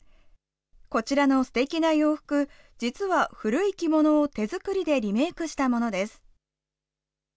こちらのすてきな洋服、実は古い着物を手作りでリメークしたものです。